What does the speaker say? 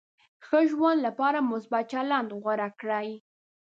ښه ژوند لپاره مثبت چلند غوره کړئ.